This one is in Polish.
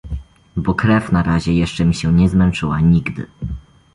Bo krew na razie jeszcze mi się nie zmęczyła nigdy.